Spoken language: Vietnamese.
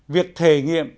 việc thề nghiệm